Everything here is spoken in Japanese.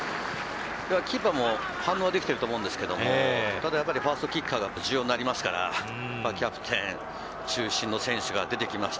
キーパーも反応はできていると思うんですけども、ファーストキッカー、重要になってきますから、キャプテン中心のチェイスが出てきました。